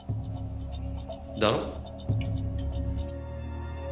だろ？